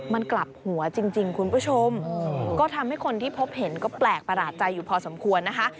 มันกลับหัวจริงคุณผู้ชมก็ทำให้คนที่พบเห็นก็แปลกประหลาดใจอยู่พอสมควรนะคะ